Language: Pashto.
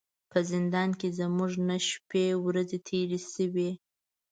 په زندان کې زموږ نه نهه شپې ورځې تیرې شوې.